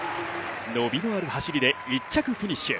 伸びのある走りで１着フィニッシュ。